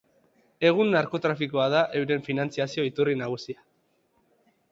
Egun narkotrafikoa da euren finantziazio-iturri nagusia.